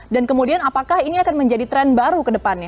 dan kemudian apakah ini akan menjadi tren baru ke depannya